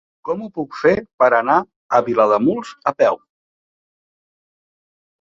Com ho puc fer per anar a Vilademuls a peu?